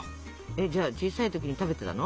えっじゃあ小さい時に食べてたの？